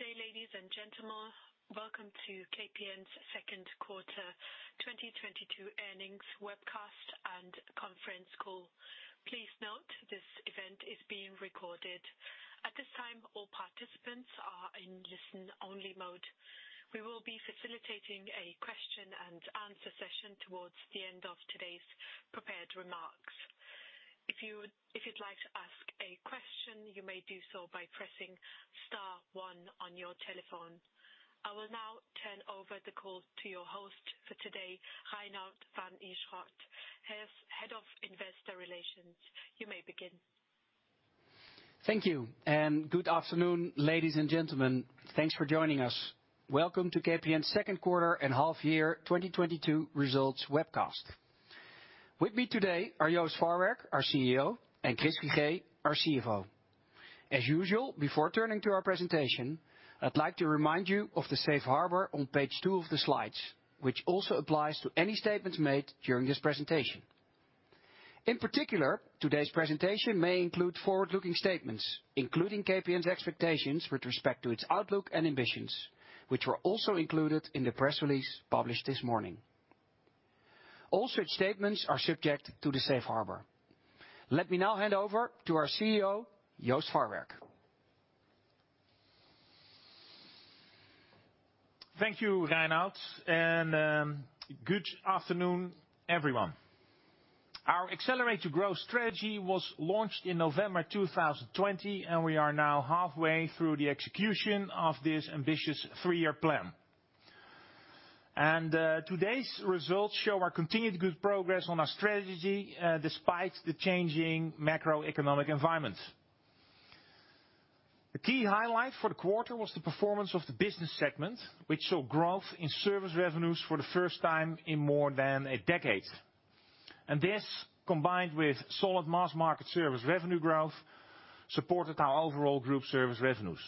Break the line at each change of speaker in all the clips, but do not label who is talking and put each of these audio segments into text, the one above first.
Good day, ladies and gentlemen. Welcome to KPN's Q2 2022 earnings webcast and conference call. Please note this event is being recorded. At this time, all participants are in listen-only mode. We will be facilitating a question and answer session towards the end of today's prepared remarks. If you'd like to ask a question, you may do so by pressing star one on your telephone. I will now turn over the call to your host for today, Reinout van Ierschot, Head of Investor Relations. You may begin.
Thank you, and good afternoon, ladies and gentlemen. Thanks for joining us. Welcome to KPN Q2 and half year 2022 results webcast. With me today are Joost Farwerck, our CEO, and Chris Figee, our CFO. As usual, before turning to our presentation, I'd like to remind you of the Safe Harbor on page 2 of the slides, which also applies to any statements made during this presentation. In particular, today's presentation may include forward-looking statements, including KPN's expectations with respect to its outlook and ambitions, which were also included in the press release published this morning. All such statements are subject to the Safe Harbor. Let me now hand over to our CEO, Joost Farwerck.
Thank you, Reinout, and good afternoon, everyone. Our Accelerate to Growth strategy was launched in November 2020, and we are now halfway through the execution of this ambitious three-year plan. Today's results show our continued good progress on our strategy, despite the changing macroeconomic environment. The key highlight for the quarter was the performance of the business segment, which saw growth in service revenues for the first time in more than a decade. This, combined with solid mass market service revenue growth, supported our overall group service revenues.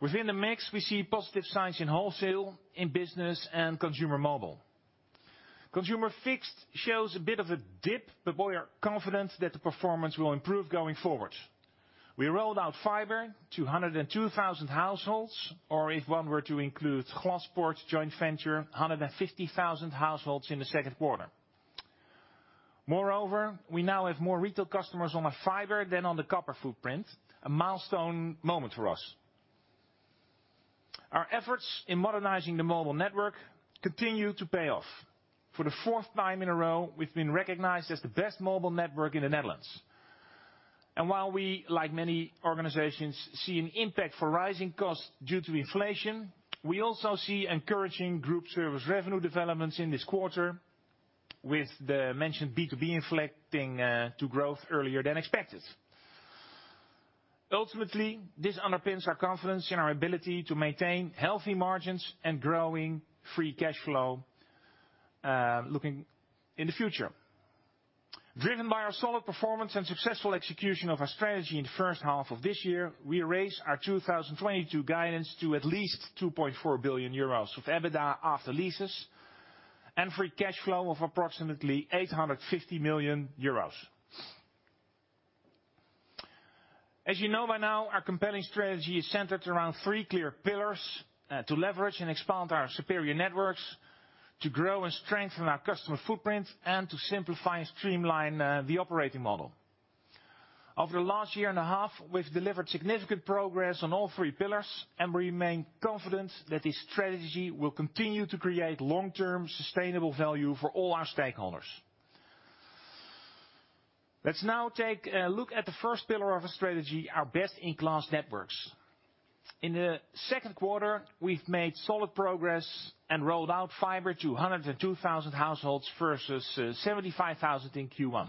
Within the mix, we see positive signs in wholesale, in business, and consumer mobile. Consumer fixed shows a bit of a dip, but we are confident that the performance will improve going forward. We rolled out fiber to 102,000 households, or if one were to include Glaspoort joint venture, 150,000 households in the Q2. Moreover, we now have more retail customers on our fiber than on the copper footprint, a milestone moment for us. Our efforts in modernizing the mobile network continue to pay off. For the fourth time in a row, we've been recognized as the best mobile network in the Netherlands. While we, like many organizations, see an impact from rising costs due to inflation, we also see encouraging group service revenue developments in this quarter with the mentioned B2B inflecting to growth earlier than expected. Ultimately, this underpins our confidence in our ability to maintain healthy margins and growing free cash flow looking into the future. Driven by our solid performance and successful execution of our strategy in the H1 of this year, we raised our 2022 guidance to at least 2.4 billion euros of EBITDA after leases and free cash flow of approximately 850 million euros. As you know by now, our compelling strategy is centered around three clear pillars, to leverage and expand our superior networks, to grow and strengthen our customer footprint, and to simplify and streamline the operating model. Over the last year and a half, we've delivered significant progress on all three pillars and remain confident that this strategy will continue to create long-term sustainable value for all our stakeholders. Let's now take a look at the first pillar of our strategy, our best-in-class networks. In the Q2, we've made solid progress and rolled out fiber to 102,000 households versus 75,000 in Q1.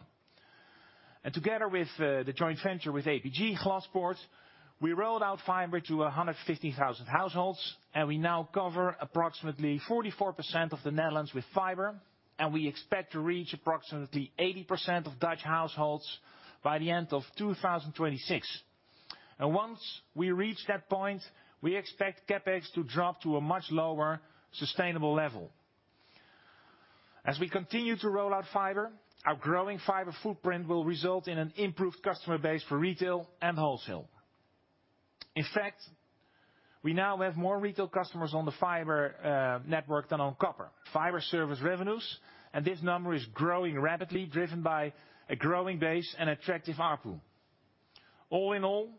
Together with the joint venture with APG, Glaspoort, we rolled out fiber to 150,000 households, and we now cover approximately 44% of the Netherlands with fiber, and we expect to reach approximately 80% of Dutch households by the end of 2026. Once we reach that point, we expect CapEx to drop to a much lower sustainable level. As we continue to roll out fiber, our growing fiber footprint will result in an improved customer base for retail and wholesale. In fact, we now have more retail customers on the fiber network than on copper. Fiber service revenues, and this number is growing rapidly, driven by a growing base and attractive ARPU. All in all,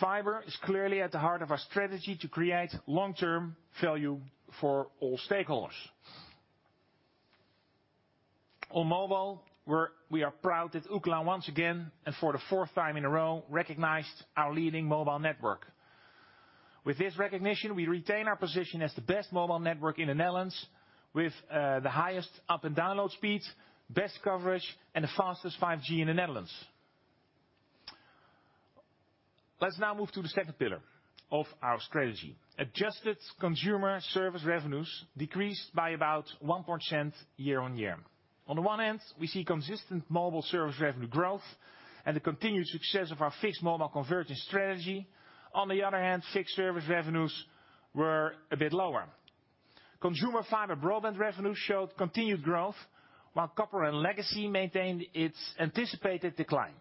fiber is clearly at the heart of our strategy to create long-term value for all stakeholders. On mobile, we are proud that Umlaut once again and for the fourth time in a row recognized our leading mobile network. With this recognition, we retain our position as the best mobile network in the Netherlands with the highest up and download speeds, best coverage, and the fastest 5G in the Netherlands. Let's now move to the second pillar of our strategy. Adjusted consumer service revenues decreased by about 1% year-over-year. On the one hand, we see consistent mobile service revenue growth and the continued success of our fixed mobile convergence strategy. On the other hand, fixed service revenues were a bit lower. Consumer fiber broadband revenues showed continued growth, while copper and legacy maintained its anticipated decline.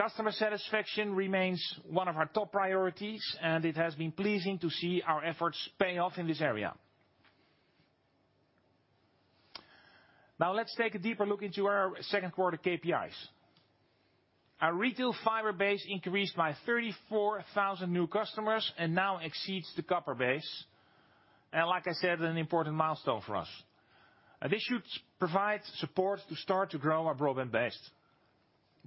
Customer satisfaction remains one of our top priorities, and it has been pleasing to see our efforts pay off in this area. Now let's take a deeper look into our Q2 KPIs. Our retail fiber base increased by 34,000 new customers and now exceeds the copper base. Like I said, an important milestone for us. This should provide support to start to grow our broadband base.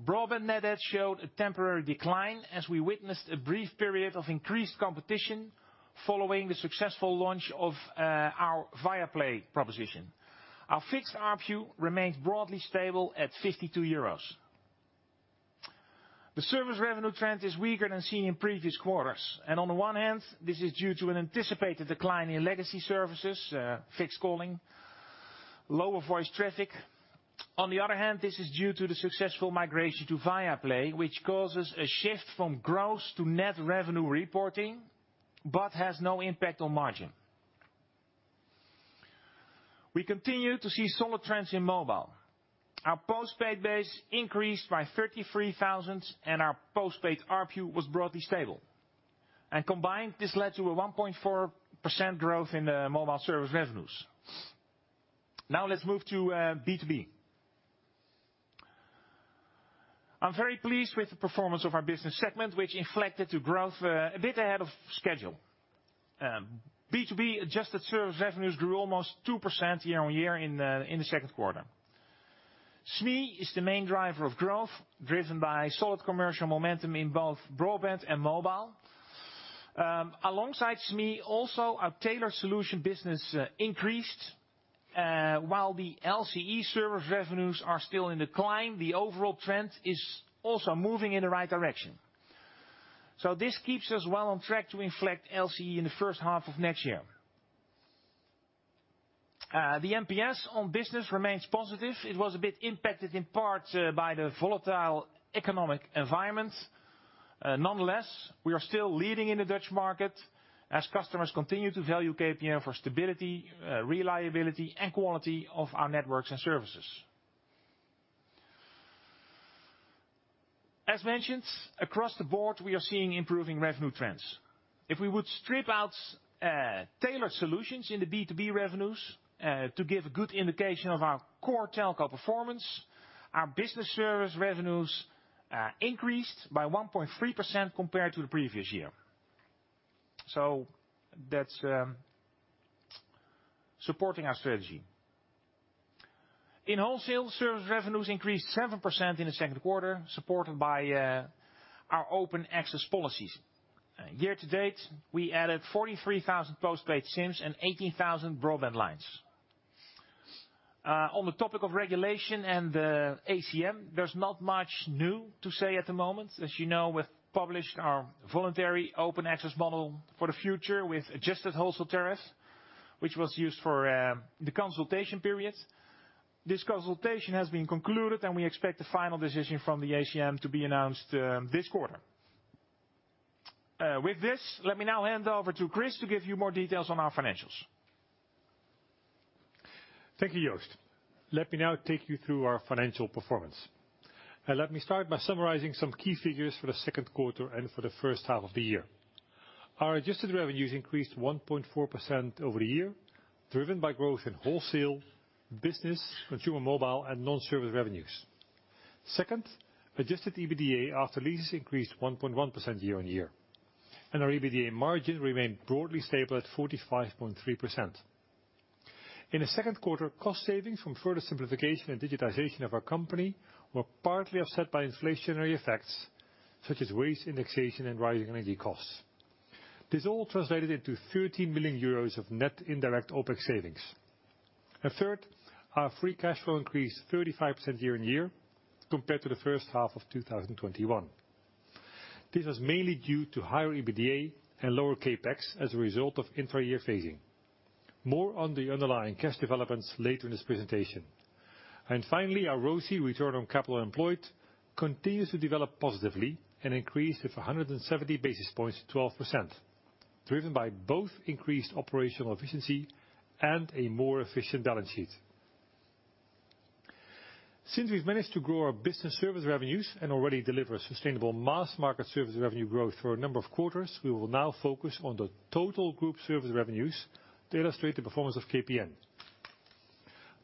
Broadband net add showed a temporary decline as we witnessed a brief period of increased competition following the successful launch of our Viaplay proposition. Our fixed ARPU remains broadly stable at 52 euros. The service revenue trend is weaker than seen in previous quarters, and on the one hand, this is due to an anticipated decline in legacy services, fixed calling, lower voice traffic. On the other hand, this is due to the successful migration to Viaplay, which causes a shift from gross to net revenue reporting, but has no impact on margin. We continue to see solid trends in mobile. Our postpaid base increased by 33,000, and our postpaid ARPU was broadly stable. Combined, this led to a 1.4% growth in the mobile service revenues. Now let's move to B2B. I'm very pleased with the performance of our business segment, which inflected to growth, a bit ahead of schedule. B2B adjusted service revenues grew almost 2% year-on-year in the Q2. SME is the main driver of growth, driven by solid commercial momentum in both broadband and mobile. Alongside SME, also our Tailored Solutions business increased, while the LCE service revenues are still in decline, the overall trend is also moving in the right direction. This keeps us well on track to inflect LCE in the H1 of next year. The NPS on business remains positive. It was a bit impacted in part by the volatile economic environment. Nonetheless, we are still leading in the Dutch market as customers continue to value KPN for stability, reliability, and quality of our networks and services. As mentioned, across the board, we are seeing improving revenue trends. If we would strip out Tailored Solutions in the B2B revenues to give a good indication of our core telco performance, our business service revenues increased by 1.3% compared to the previous year. That's supporting our strategy. In wholesale, service revenues increased 7% in the Q2, supported by our open access policies. Year-to-date, we added 43,000 postpaid SIMs and 18,000 broadband lines. On the topic of regulation and the ACM, there's not much new to say at the moment. As you know, we've published our voluntary open access model for the future with adjusted wholesale tariffs, which was used for the consultation period. This consultation has been concluded, and we expect the final decision from the ACM to be announced this quarter. With this, let me now hand over to Chris to give you more details on our financials.
Thank you, Joost. Let me now take you through our financial performance. Let me start by summarizing some key figures for the Q2 and for the H1 of the year. Our adjusted revenues increased 1.4% year-over-year, driven by growth in wholesale, business, consumer mobile, and non-service revenues. Second, adjusted EBITDA after leases increased 1.1% year-on-year. Our EBITDA margin remained broadly stable at 45.3%. In the Q2, cost savings from further simplification and digitization of our company were partly offset by inflationary effects, such as wage indexation and rising energy costs. This all translated into 30 million euros of net indirect OpEx savings. Third, our free cash flow increased 35% year-on-year compared to the H1 of 2021. This was mainly due to higher EBITDA and lower CapEx as a result of intra-year phasing. More on the underlying cash developments later in this presentation. Finally, our ROCE, return on capital employed, continues to develop positively and increased to 170 basis points, 12%, driven by both increased operational efficiency and a more efficient balance sheet. Since we've managed to grow our business service revenues and already deliver sustainable mass market service revenue growth for a number of quarters, we will now focus on the total group service revenues to illustrate the performance of KPN.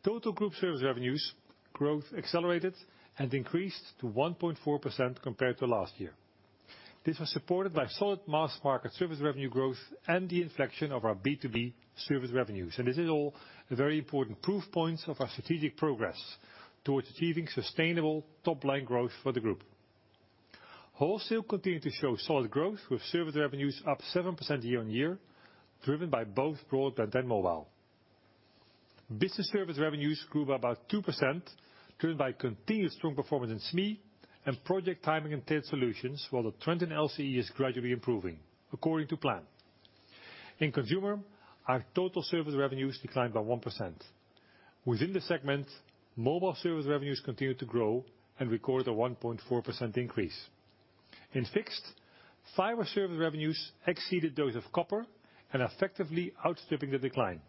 Total group service revenues growth accelerated and increased to 1.4% compared to last year. This was supported by solid mass market service revenue growth and the inflection of our B2B service revenues. This is all very important proof points of our strategic progress towards achieving sustainable top-line growth for the group. Wholesale continued to show solid growth with service revenues up 7% year-on-year, driven by both broadband and mobile. Business service revenues grew by about 2%, driven by continued strong performance in SME and project timing in Tailored Solutions, while the trend in LCE is gradually improving according to plan. In Consumer, our total service revenues declined by 1%. Within the segment, mobile service revenues continued to grow and recorded a 1.4% increase. In fixed, fiber service revenues exceeded those of copper and effectively outstripping the decline.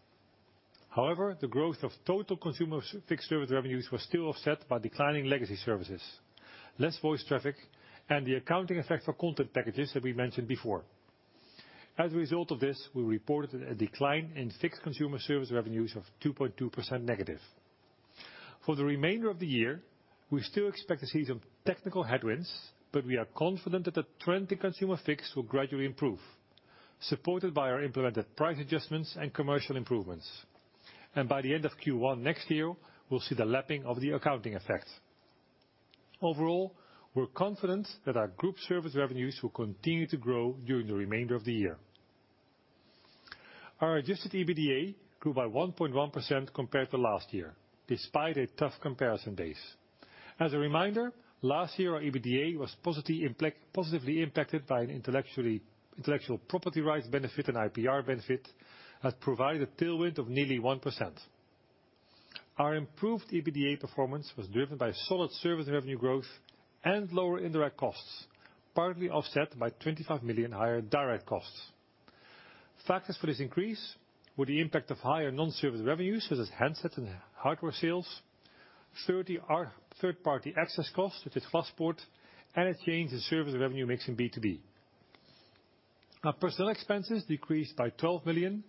However, the growth of total consumer fixed service revenues was still offset by declining legacy services, less voice traffic, and the accounting effect for content packages that we mentioned before. As a result of this, we reported a decline in fixed consumer service revenues of -2.2%. For the remainder of the year, we still expect to see some technical headwinds, but we are confident that the trend in consumer fixed will gradually improve, supported by our implemented price adjustments and commercial improvements. By the end of Q1 next year, we'll see the lapping of the accounting effect. Overall, we're confident that our group service revenues will continue to grow during the remainder of the year. Our adjusted EBITDA grew by 1.1% compared to last year, despite a tough comparison base. As a reminder, last year, our EBITDA was positively impacted by an intellectual property rights benefit, an IPR benefit, that provided a tailwind of nearly 1%. Our improved EBITDA performance was driven by solid service revenue growth and lower indirect costs, partly offset by 25 million higher direct costs. Factors for this increase were the impact of higher non-service revenues, such as handsets and hardware sales, third-party access costs, which is Glaspoort, and a change in service revenue mix in B2B. Our personnel expenses decreased by 12 million,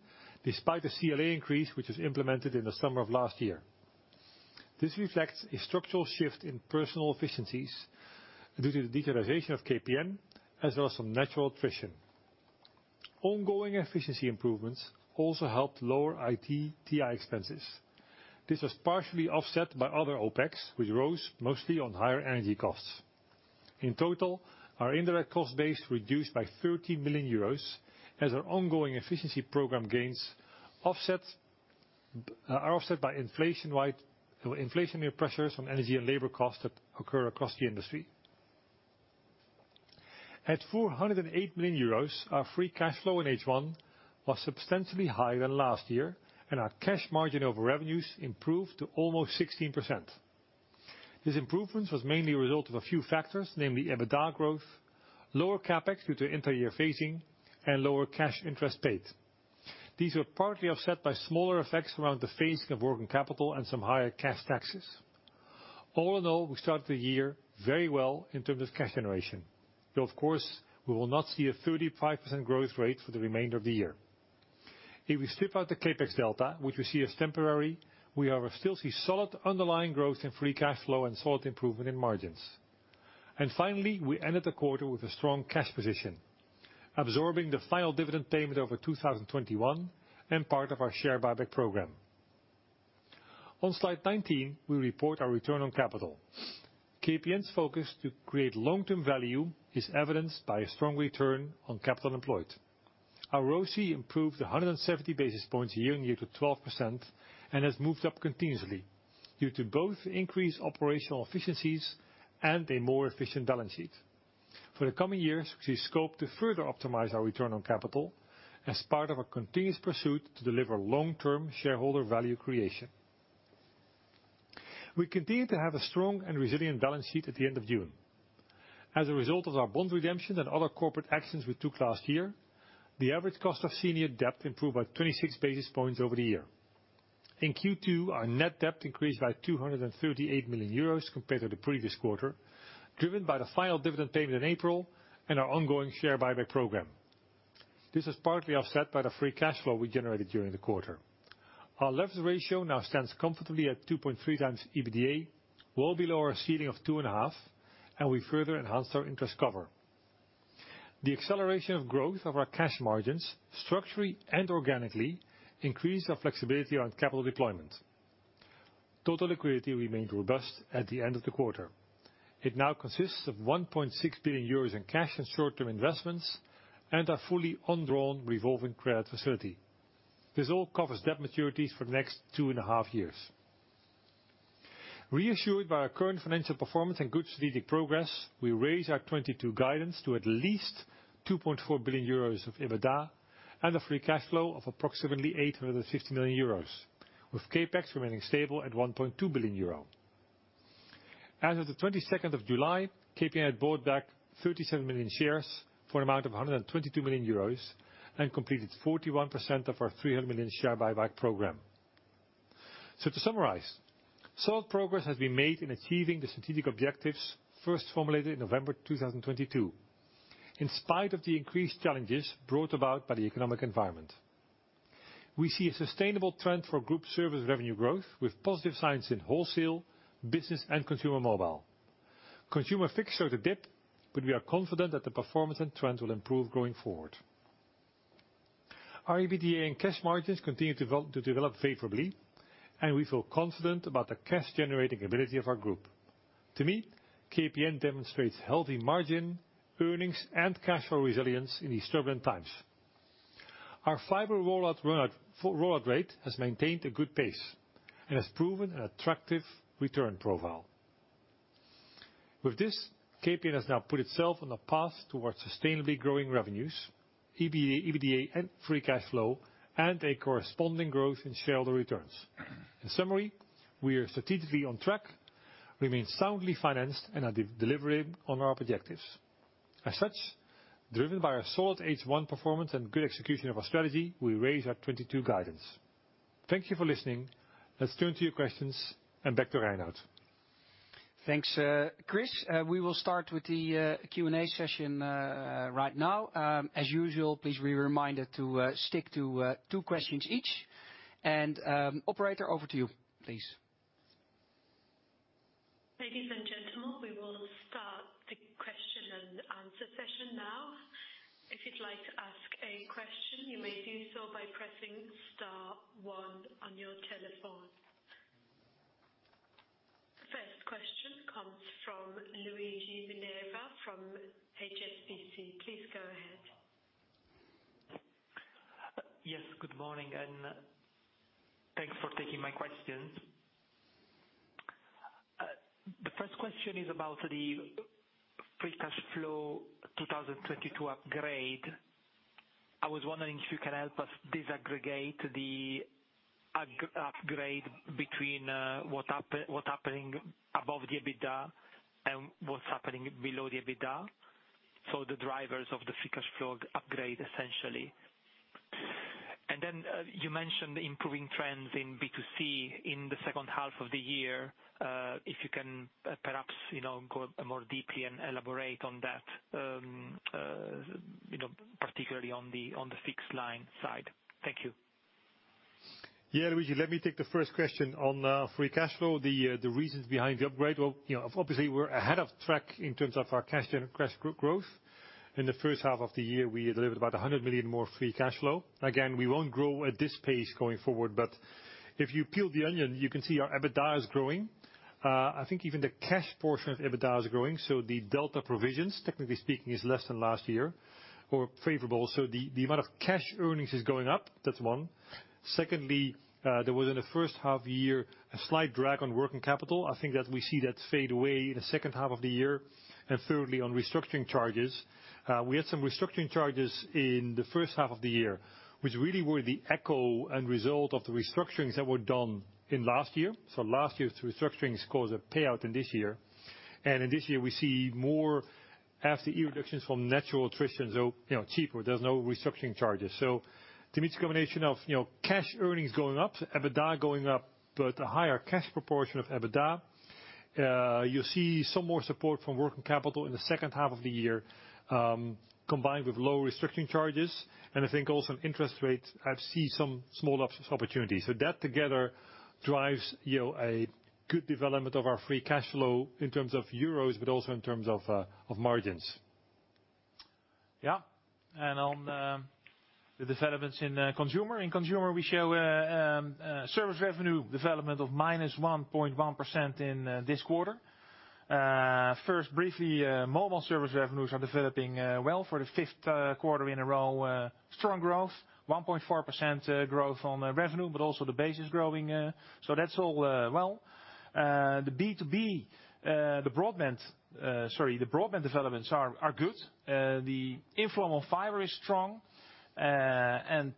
despite the CLA increase, which was implemented in the summer of last year. This reflects a structural shift in personnel efficiencies due to the digitization of KPN, as well as some natural attrition. Ongoing efficiency improvements also helped lower IT/TI expenses. This was partially offset by other OpEx, which rose mostly on higher energy costs. In total, our indirect cost base reduced by 30 million euros as our ongoing efficiency program gains are offset by inflationary pressures on energy and labor costs that occur across the industry. At 408 million euros, our free cash flow in H1 was substantially higher than last year, and our cash margin over revenues improved to almost 16%. This improvement was mainly a result of a few factors, namely EBITDA growth, lower CapEx due to inter-year phasing, and lower cash interest paid. These were partly offset by smaller effects around the phasing of working capital and some higher cash taxes. All in all, we started the year very well in terms of cash generation, though of course, we will not see a 35% growth rate for the remainder of the year. If we strip out the CapEx delta, which we see as temporary, we still see solid underlying growth in free cash flow and solid improvement in margins. Finally, we ended the quarter with a strong cash position, absorbing the final dividend payment over 2021 and part of our share buyback program. On slide 19, we report our return on capital. KPN's focus to create long-term value is evidenced by a strong return on capital employed. Our ROCE improved 170 basis points year-on-year to 12%, and has moved up continuously due to both increased operational efficiencies and a more efficient balance sheet. For the coming years, we see scope to further optimize our return on capital as part of our continuous pursuit to deliver long-term shareholder value creation. We continue to have a strong and resilient balance sheet at the end of June. As a result of our bond redemptions and other corporate actions we took last year, the average cost of senior debt improved by 26 basis points over the year. In Q2, our net debt increased by EUR 238 million compared to the previous quarter, driven by the final dividend payment in April and our ongoing share buyback program. This is partly offset by the free cash flow we generated during the quarter. Our leverage ratio now stands comfortably at 2.3x EBITDA, well below our ceiling of 2.5, and we further enhanced our interest cover. The acceleration of growth of our cash margins, structurally and organically, increased our flexibility around capital deployment. Total liquidity remained robust at the end of the quarter. It now consists of 1.6 billion euros in cash and short-term investments and a fully undrawn revolving credit facility. This all covers debt maturities for the next 2.5 years. Reassured by our current financial performance and good strategic progress, we raised our 2022 guidance to at least 2.4 billion euros of EBITDA and a free cash flow of approximately 850 million euros, with CapEx remaining stable at 1.2 billion euro. As of the 22nd of July, KPN had bought back 37 million shares for an amount of 122 million euros and completed 41% of our 300 million share buyback program. To summarize, solid progress has been made in achieving the strategic objectives first formulated in November 2022, in spite of the increased challenges brought about by the economic environment. We see a sustainable trend for group service revenue growth with positive signs in wholesale, business, and consumer mobile. Consumer fixed showed a dip, but we are confident that the performance and trend will improve going forward. Our EBITDA and cash margins continue to develop favorably, and we feel confident about the cash generating ability of our group. To me, KPN demonstrates healthy margin, earnings, and cash flow resilience in these turbulent times. Our fiber rollout rate has maintained a good pace and has proven an attractive return profile. With this, KPN has now put itself on a path towards sustainably growing revenues, EBITDA and free cash flow, and a corresponding growth in shareholder returns. In summary, we are strategically on track, remain soundly financed and are delivering on our objectives. As such, driven by our solid H1 performance and good execution of our strategy, we raise our 2022 guidance. Thank you for listening. Let's turn to your questions and back to Reinout.
Thanks, Chris. We will start with the Q&A session right now. As usual, please be reminded to stick to two questions each. Operator over to you, please.
Ladies and gentlemen, we will start the question and answer session now. If you'd like to ask a question, you may do so by pressing star one on your telephone. First question comes from Luigi Minerva from HSBC. Please go ahead.
Yes, good morning and thanks for taking my questions. The first question is about the free cash flow 2022 upgrade. I was wondering if you can help us disaggregate the upgrade between what's happening above the EBITDA and what's happening below the EBITDA. So the drivers of the free cash flow upgrade, essentially. You mentioned improving trends in B2C in the H2 of the year. If you can perhaps you know go more deeply and elaborate on that, you know particularly on the fixed line side. Thank you.
Yeah, Luigi, let me take the first question on free cash flow. The reasons behind the upgrade. Well, you know, obviously we're ahead of track in terms of our cash growth. In the H1 of the year, we delivered about 100 million more free cash flow. Again, we won't grow at this pace going forward, but if you peel the onion, you can see our EBITDA is growing. I think even the cash portion of EBITDA is growing, so the delta provisions, technically speaking, is less than last year or favorable. So the amount of cash earnings is going up, that's one. Secondly, there was in the H1 year a slight drag on working capital. I think that we see that fade away in the H2 of the year. Thirdly, on restructuring charges. We had some restructuring charges in the H1 of the year, which really were the echo and result of the restructurings that were done in last year. Last year's restructurings caused a payout in this year. In this year we see more FTE reductions from natural attrition, so, you know, cheaper, there's no restructuring charges. To meet a combination of, you know, cash earnings going up, so EBITDA going up, but a higher cash proportion of EBITDA, you see some more support from working capital in the H2 of the year, combined with low restructuring charges. I think also in interest rates, I see some small OpEx opportunities. That together drives, you know, a good development of our free cash flow in terms of euros, but also in terms of margins.
Yeah. On the developments in consumer. In consumer, we show service revenue development of -1.1% in this quarter. First, briefly, mobile service revenues are developing well for the fifth quarter in a row. Strong growth, 1.4% growth on revenue, but also the base is growing, so that's all well. The broadband developments are good. The inflow on fiber is strong, and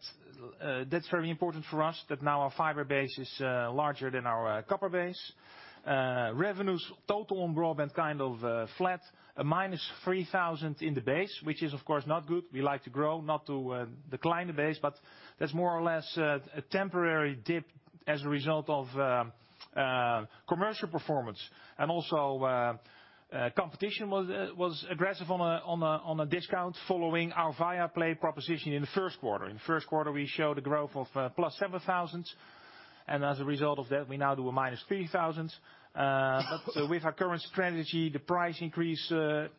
that's very important for us that now our fiber base is larger than our copper base. Revenues total on broadband, kind of flat, a -3,000 in the base, which is of course not good. We like to grow, not to decline the base, but that's more or less a temporary dip as a result of commercial performance. Also, competition was aggressive on a discount following our Viaplay proposition in the Q1. In the Q1, we showed a growth of +7,000, and as a result of that, we now do a -3,000. With our current strategy, the price increase the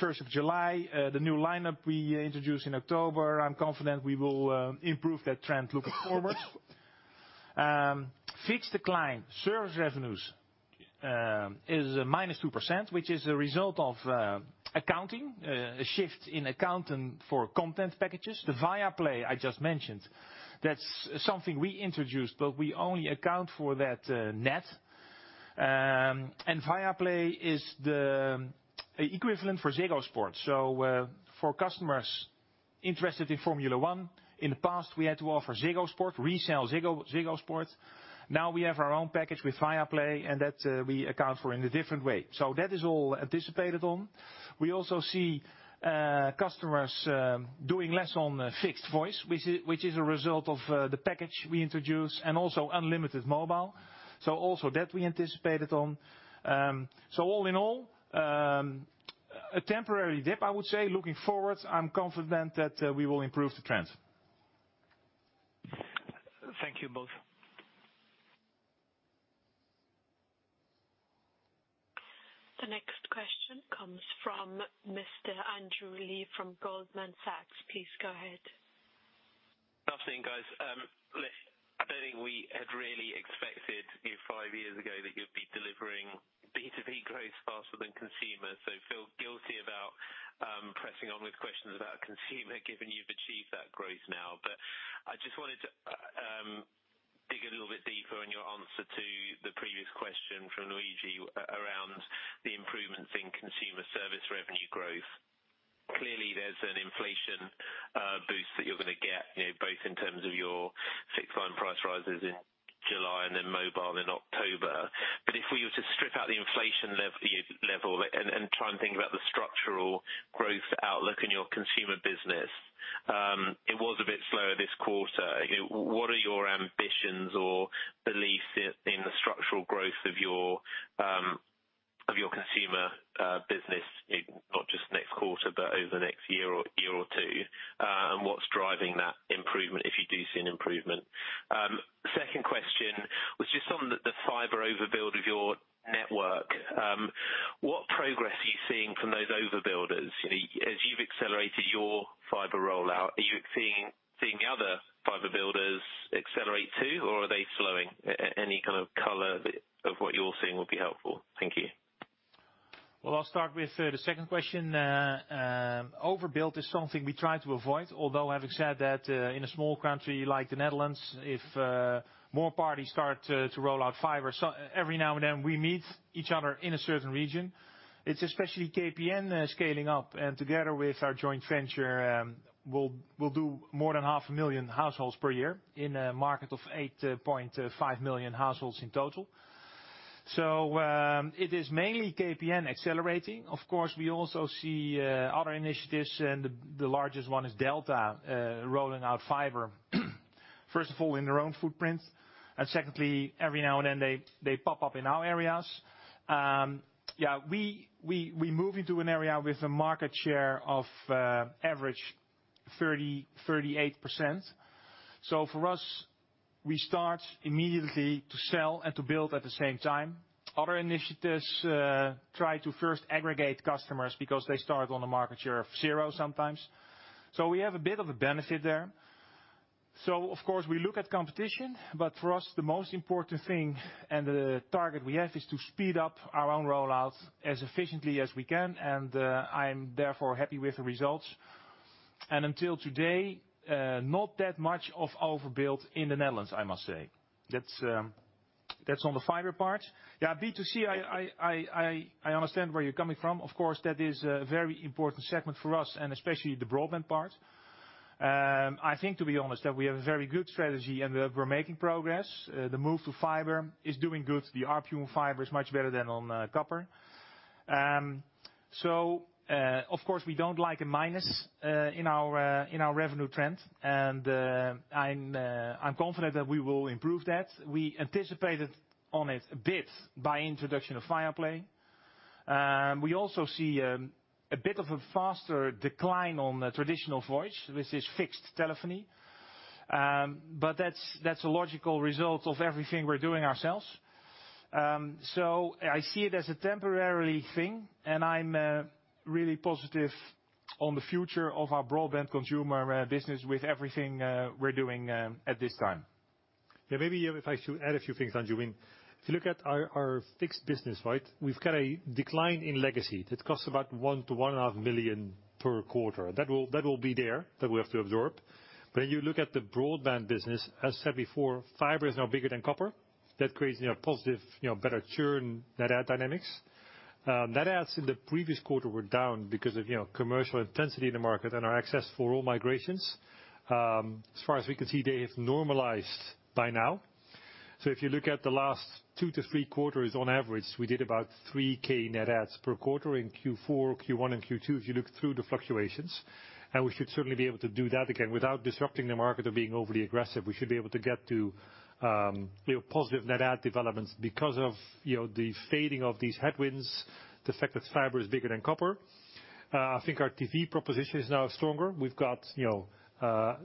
first of July, the new lineup we introduced in October, I'm confident we will improve that trend looking forward. Fixed decline service revenues is -2%, which is a result of a shift in accounting for content packages. The Viaplay I just mentioned, that's something we introduced, but we only account for that net. Viaplay is the equivalent for Ziggo Sport. For customers interested in Formula 1, in the past, we had to offer Ziggo Sport, resell Ziggo Sport. Now we have our own package with Viaplay, and that we account for in a different way. That is all anticipated on. We also see customers doing less on fixed voice, which is a result of the package we introduced and also unlimited mobile. Also that we anticipated on. All in all, a temporary dip, I would say. Looking forward, I'm confident that we will improve the trends.
Thank you both.
The next question comes from Mr. Andrew Lee from Goldman Sachs. Please go ahead.
Nothing, guys. Listen, I don't think we had really expected you five years ago that you'd be delivering B2B growth faster than consumer. I feel guilty about pressing on with questions about consumer, given you've achieved that growth now. I just wanted to dig a little bit deeper in your answer to the previous question from Luigi around the improvements that you're gonna get, you know, both in terms of your fixed line price rises in July, and then mobile in October. If we were to strip out the inflation level and try and think about the structural growth outlook in your consumer business, it was a bit slower this quarter. You know, what are your ambitions or beliefs in the structural growth of your consumer business, you know, not just next quarter, but over the next year or two? What's driving that improvement, if you do see an improvement? Second question was just on the fiber overbuild of your network. What progress are you seeing from those overbuilders? You know, as you've accelerated your fiber rollout, are you seeing other fiber builders accelerate too, or are they slowing? Any kind of color of what you're seeing will be helpful. Thank you.
Well, I'll start with the second question. Overbuilt is something we try to avoid. Although having said that, in a small country like the Netherlands, if more parties start to roll out fiber, so every now and then we meet each other in a certain region. It's especially KPN scaling up, and together with our joint venture, we'll do more than 500,000 households per year in a market of 8.5 million households in total. It is mainly KPN accelerating. Of course, we also see other initiatives, and the largest one is DELTA rolling out fiber, first of all in their own footprint, and secondly, every now and then they pop up in our areas. Yeah, we move into an area with a market share of average 30-38%. For us, we start immediately to sell and to build at the same time. Other initiatives try to first aggregate customers because they start on a market share of zero sometimes. We have a bit of a benefit there. Of course we look at competition, but for us, the most important thing and the target we have is to speed up our own rollout as efficiently as we can, and I'm therefore happy with the results. Until today, not that much of overbuild in the Netherlands, I must say. That's on the fiber part. Yeah, B2C, I understand where you're coming from. Of course, that is a very important segment for us and especially the broadband part. I think to be honest, that we have a very good strategy, and we're making progress. The move to fiber is doing good. The ARPU on fiber is much better than on copper. Of course we don't like a minus in our revenue trend. I'm confident that we will improve that. We anticipated on it a bit by introduction of Viaplay. We also see a bit of a faster decline on the traditional voice, which is fixed telephony. That's a logical result of everything we're doing ourselves. I see it as a temporary thing, and I'm really positive on the future of our broadband consumer business with everything we're doing at this time.
Maybe I should add a few things on, Joost Farwerck. If you look at our fixed business, right? We've got a decline in legacy that costs about 1 million-1.5 million per quarter. That will be there that we have to absorb. If you look at the broadband business, as said before, fiber is now bigger than copper. That creates, you know, positive, you know, better churn net add dynamics. Net adds in the previous quarter were down because of, you know, commercial intensity in the market and our XS4ALL migrations. As far as we can see, they have normalized by now. If you look at the last 2-3 quarters on average, we did about 3,000 net adds per quarter in Q4, Q1 and Q2, if you look through the fluctuations. We should certainly be able to do that again without disrupting the market or being overly aggressive. We should be able to get to, you know, positive net add developments because of, you know, the fading of these headwinds, the fact that fiber is bigger than copper. I think our TV proposition is now stronger. We've got, you know,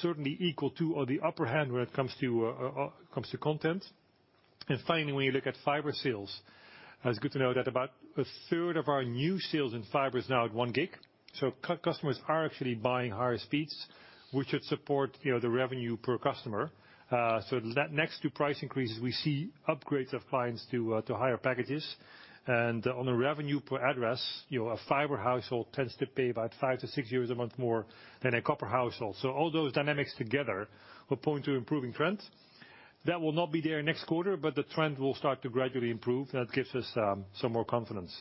certainly equal to or the upper hand when it comes to content. Finally, when you look at fiber sales, it's good to know that about a third of our new sales in fiber is now at 1 gig. So customers are actually buying higher speeds, which should support, you know, the revenue per customer. So that next to price increases, we see upgrades of clients to higher packages. On a revenue per address, you know, a fiber household tends to pay about 5-6 euros a month more than a copper household. All those dynamics together will point to improving trends. That will not be there next quarter, but the trend will start to gradually improve. That gives us some more confidence.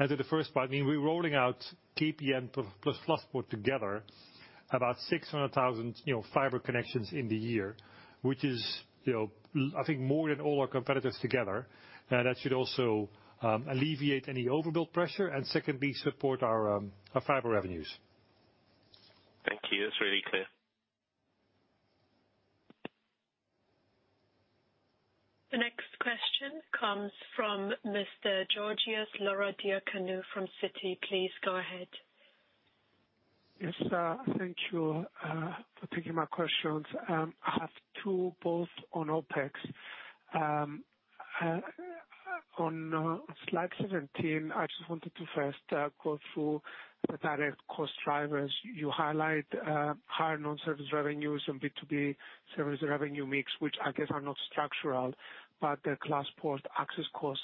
To the first part, I mean, we're rolling out KPN plus Glaspoort together, about 600,000, you know, fiber connections in the year, which is, you know, I think more than all our competitors together. That should also alleviate any overbuild pressure and secondly, support our fiber revenues.
Thank you. That's really clear.
The next question comes from Mr. Georgios Ierodiaconou from Citi. Please go ahead.
Yes, thank you for taking my questions. I have two, both on OpEx. On slide 17, I just wanted to first go through the direct cost drivers. You highlight higher non-service revenues and B2B service revenue mix, which I guess are not structural, but the Glaspoort access costs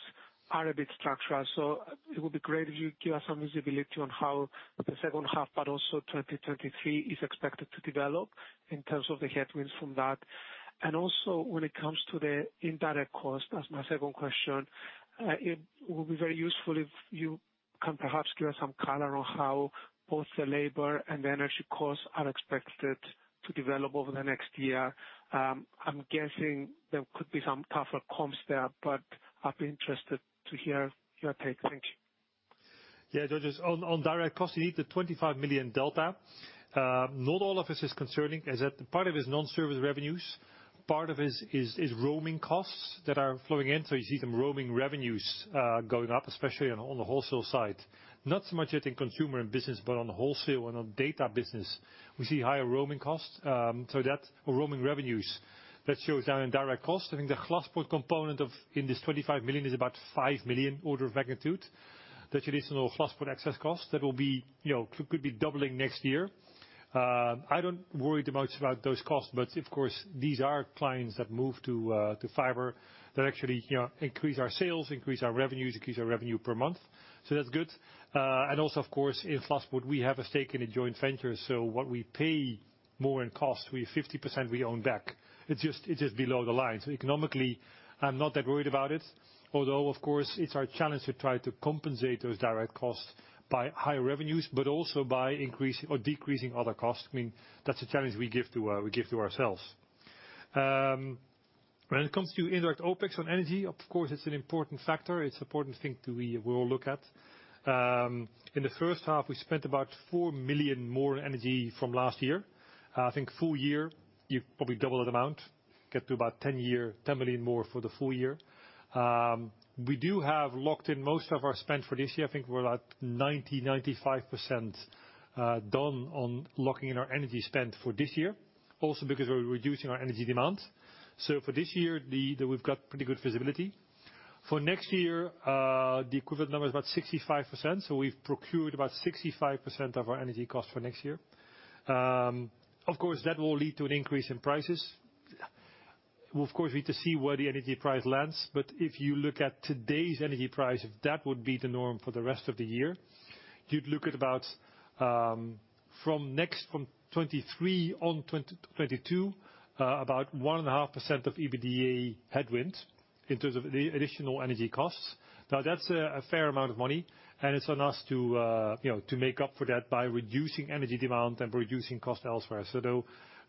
are a bit structural. So it would be great if you give us some visibility on how the second half, but also 2023 is expected to develop in terms of the headwinds from that. Also when it comes to the indirect cost, that's my second question. It will be very useful if you can perhaps give us some color on how both the labor and the energy costs are expected to develop over the next year. I'm guessing there could be some tougher comps there, but I'd be interested to hear your take. Thank you.
Yeah, Georgios, on direct costs, you need the 25 million delta. Not all of this is concerning, as part of it is non-service revenues. Part of it is roaming costs that are flowing in. You see some roaming revenues going up, especially on the wholesale side. Not so much I think consumer and business, but on the wholesale and on data business, we see higher roaming costs. That's roaming revenues. That shows our indirect costs. I think the Glaspoort component in this 25 million is about 5 million order of magnitude. The traditional Glaspoort access costs, that will be, you know, could be doubling next year. I don't worry too much about those costs, but of course, these are clients that move to fiber that actually, you know, increase our sales, increase our revenues, increase our revenue per month. That's good. Also of course, in Glaspoort, we have a stake in a joint venture, so what we pay more in costs, we 50% own back. It's just below the line. Economically I'm not that worried about it. Although of course it's our challenge to try to compensate those direct costs by higher revenues, but also by increasing or decreasing other costs. I mean, that's a challenge we give to ourselves. When it comes to indirect OpEx on energy, of course it's an important factor. It's an important thing too. We all look at. In the H1 we spent about 4 million more on energy from last year. I think for the full year you probably double that amount, get to about 10 million more for the full year. We do have locked in most of our spend for this year. I think we're at 90%-95% done on locking in our energy spend for this year, also because we're reducing our energy demands. For this year, we've got pretty good visibility. For next year, the equivalent number is about 65%. We've procured about 65% of our energy cost for next year. Of course, that will lead to an increase in prices. Of course, we need to see where the energy price lands, but if you look at today's energy price, if that would be the norm for the rest of the year, you'd look at about from 2023 on 2022 about 1.5% of EBITDA headwind in terms of the additional energy costs. Now that's a fair amount of money and it's on us to you know to make up for that by reducing energy demand and reducing costs elsewhere.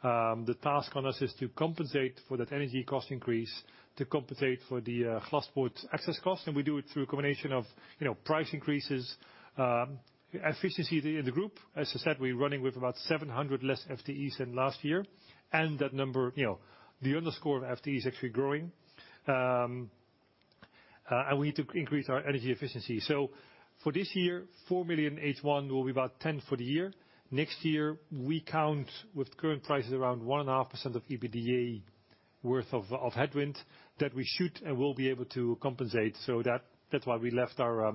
The task on us is to compensate for that energy cost increase, to compensate for the Glaspoort access cost. We do it through a combination of you know price increases efficiency in the group. As I said, we're running with about 700 less FTEs than last year. That number, you know, the number of FTE is actually growing. We need to increase our energy efficiency. For this year, 4 million H1 will be about 10 million for the year. Next year, we count with current prices around 1.5% of EBITDA worth of headwind that we should and will be able to compensate. That, that's why we left our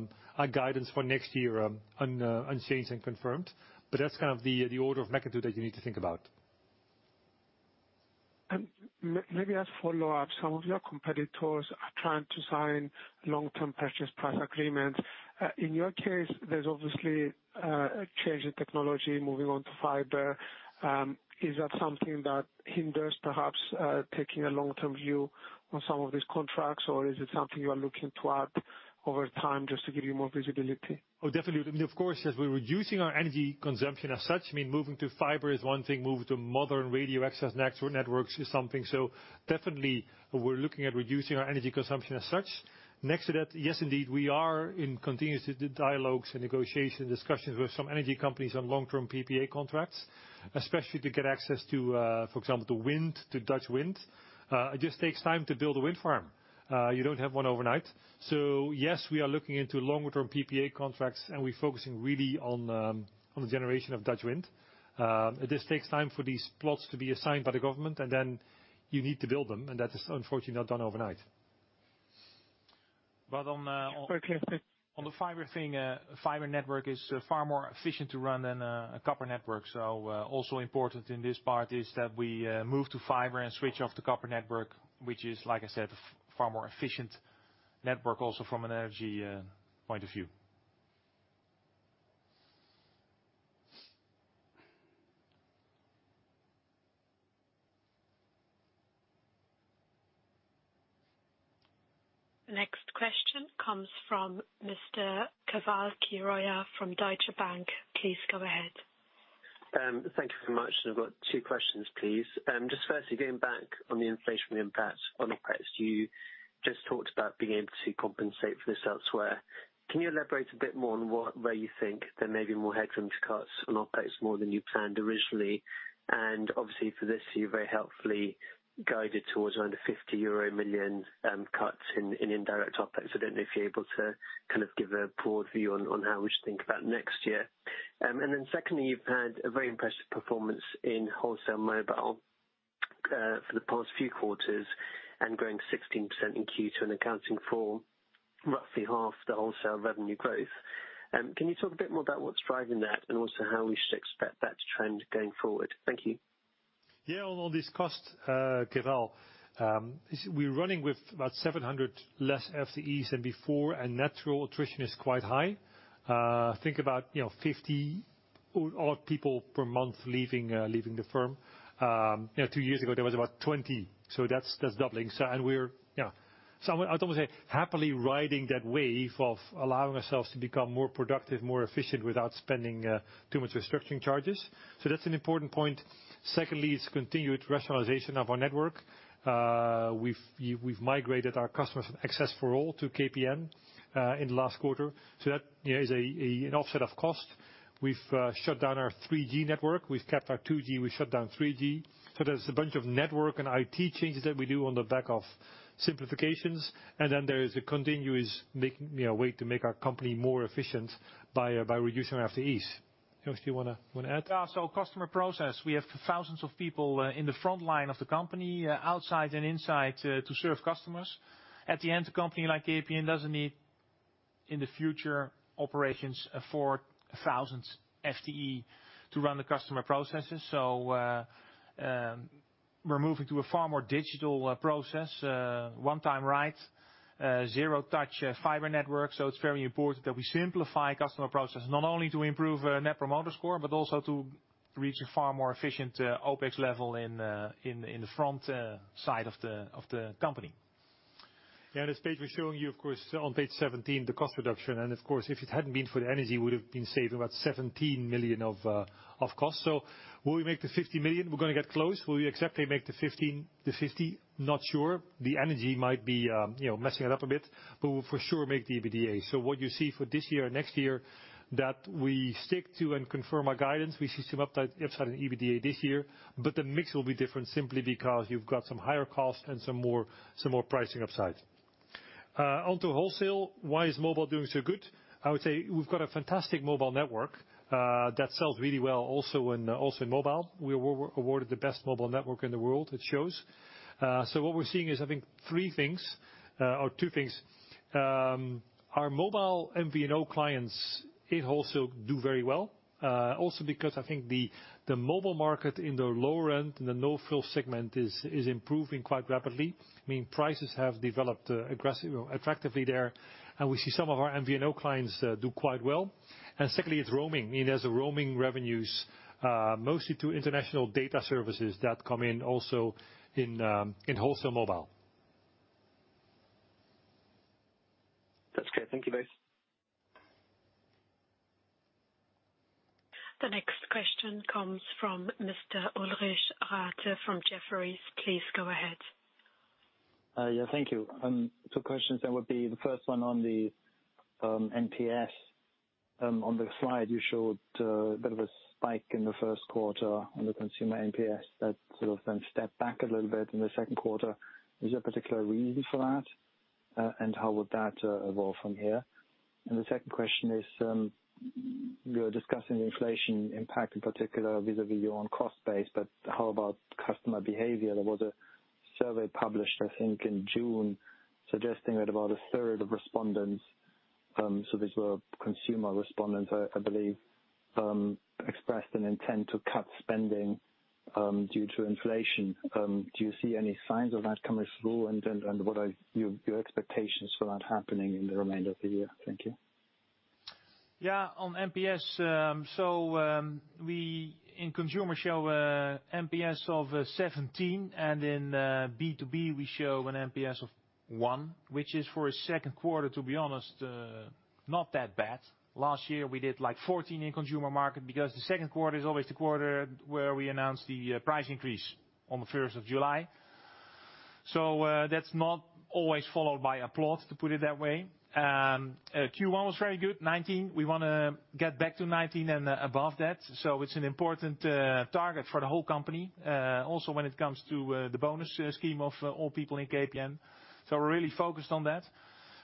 guidance for next year unchanged and confirmed. That's kind of the order of magnitude that you need to think about.
Maybe as follow-up, some of your competitors are trying to sign long-term purchase price agreements. In your case, there's obviously a change in technology moving on to fiber. Is that something that hinders perhaps taking a long-term view on some of these contracts? Or is it something you are looking to add over time just to give you more visibility?
Oh, definitely. I mean, of course, as we're reducing our energy consumption as such, I mean moving to fiber is one thing, moving to modern radio access networks is something. Definitely we're looking at reducing our energy consumption as such. Next to that, yes, indeed, we are in continuous dialogues and negotiation discussions with some energy companies on long-term PPA contracts, especially to get access to, for example, to wind, to Dutch wind. It just takes time to build a wind farm. You don't have one overnight. Yes, we are looking into longer-term PPA contracts, and we're focusing really on the generation of Dutch wind. This takes time for these plots to be assigned by the government and then you need to build them, and that is unfortunately not done overnight. On
Very clear. Thank you.
On the fiber thing, fiber network is far more efficient to run than a copper network. Also important in this part is that we move to fiber and switch off the copper network, which is, like I said, far more efficient network also from an energy point of view.
Next question comes from Mr. Keval Khiroya from Deutsche Bank. Please go ahead.
Thank you very much. I've got two questions, please. Just firstly, going back on the inflationary impact on OpEx. You just talked about being able to compensate for this elsewhere. Can you elaborate a bit more on what, where you think there may be more headroom to cuts on OpEx more than you planned originally? Obviously for this, you very helpfully guided towards around 50 million euro cuts in indirect OpEx. I don't know if you're able to kind of give a broad view on how we should think about next year. Secondly, you've had a very impressive performance in wholesale mobile for the past few quarters and growing 16% in Q2 and accounting for roughly half the wholesale revenue growth. Can you talk a bit more about what's driving that and also how we should expect that trend going forward? Thank you.
On all these costs, Keval, we're running with about 700 less FTEs than before, and natural attrition is quite high. Think about, you know, 50 all people per month leaving the firm. You know, two years ago, there was about 20, so that's doubling. We're, you know, I would almost say, happily riding that wave of allowing ourselves to become more productive, more efficient without spending too much restructuring charges. That's an important point. Secondly, it's continued rationalization of our network. We've migrated our customers from XS4ALL to KPN in the last quarter. That, you know, is an offset of cost. We've shut down our 3G network. We've kept our 2G, we've shut down 3G. There's a bunch of network and IT changes that we do on the back of simplifications. There is a continuous making, you know, way to make our company more efficient by reducing FTEs. Joost, you wanna add?
Customer process. We have thousands of people in the front line of the company, outside and inside to serve customers. At the end, a company like KPN doesn't need, in the future, operations of 4,000 FTE to run the customer processes. We're moving to a far more digital process. One time, right, zero touch, fiber network. It's very important that we simplify customer process not only to improve net promoter score, but also to reach a far more efficient OpEx level in the front side of the company.
Yeah, this page we're showing you, of course, on page 17, the cost reduction. Of course, if it hadn't been for the energy, we would have been saving about 17 million of cost. Will we make the 50 million? We're gonna get close. Will we exactly make the 15 million-50 million? Not sure. The energy might be messing it up a bit, but we'll for sure make the EBITDA. What you see for this year or next year that we stick to and confirm our guidance. We see some upside in EBITDA this year, but the mix will be different simply because you've got some higher costs and some more pricing upside. Onto wholesale, why is mobile doing so good? I would say we've got a fantastic mobile network that sells really well also in mobile. We were awarded the best mobile network in the world, it shows. What we're seeing is, I think three things, or two things. Our mobile MVNO clients in wholesale do very well, also because I think the mobile market in the lower end, in the no-frills segment is improving quite rapidly. I mean, prices have developed effectively there, you know, and we see some of our MVNO clients do quite well. Secondly, it's roaming. I mean, our roaming revenues, mostly from international data services that come in also in wholesale mobile.
That's okay. Thank you both.
The next question comes from Mr. Ulrich Rathe from Jefferies. Please go ahead.
Yeah, thank you. Two questions, that would be the first one on the NPS. On the slide, you showed a bit of a spike in the Q1 on the consumer NPS that sort of then stepped back a little bit in the Q2. Is there a particular reason for that? How would that evolve from here? The second question is, you're discussing the inflation impact, in particular with the view on cost base, but how about customer behavior? There was a survey published, I think, in June, suggesting that about a third of respondents, so these were consumer respondents, I believe, expressed an intent to cut spending due to inflation. Do you see any signs of that coming through? What are your expectations for that happening in the remainder of the year? Thank you.
Yeah. On NPS, we, in consumer, show NPS of 17, and in B2B, we show an NPS of 1, which is for a Q2, to be honest, not that bad. Last year, we did like 14 in consumer, market because the Q2 is always the quarter where we announce the price increase on the first of July. That's not always followed by applause, to put it that way. Q1 was very good, 19. We wanna get back to 19 and above that. It's an important target for the whole company, also when it comes to the bonus scheme of all people in KPN. We're really focused on that.